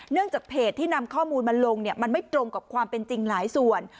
จากเพจที่นำข้อมูลมาลงมันไม่ตรงกับความเป็นจริงหลายส่วน